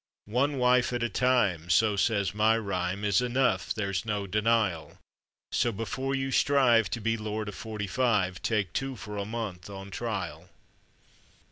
One wife at a time, so says my rhyme, Is enough, there's no denial; So, before you strive to be lord of forty five, Take two for a month on trial.